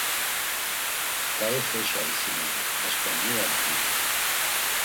K̆aixeşa isimadi, aşkva muya dziri?